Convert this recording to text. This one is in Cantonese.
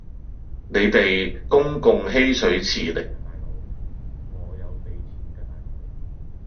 你哋公共嬉水池嚟㗎大佬，我有俾錢㗎大佬